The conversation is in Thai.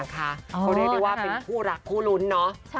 เขาได้เรียกว่าเป็นคู่รักคู่รุ้นเนอะ